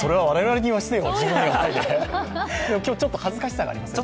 今日ちょっと恥ずかしさがありますね。